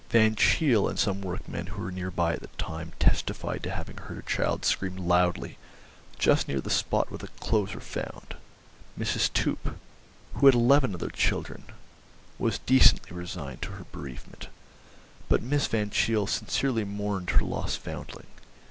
Van Cheele and some workmen who were near by at the time testified to having heard a child scream loudly just near the spot where the clothes were found. Mrs. Toop, who had eleven other children, was decently resigned to her bereavement, but Miss Van Cheele sincerely mourned her lost foundling.